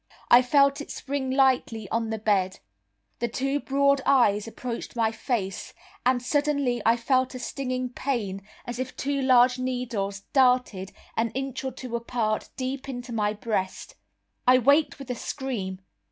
I felt it spring lightly on the bed. The two broad eyes approached my face, and suddenly I felt a stinging pain as if two large needles darted, an inch or two apart, deep into my breast. I waked with a scream.